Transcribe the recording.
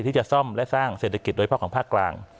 ที่จะซ่อมและสร้างเศรษฐกิจโดยเฉพาะของภาคกลาง